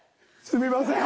すみません。